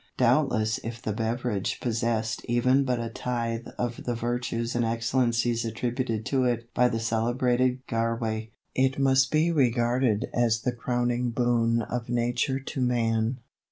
Doubtless if the beverage possessed even but a tithe of the virtues and excellences attributed to it by the celebrated Garway, it must be regarded as the crowning boon of Nature to man.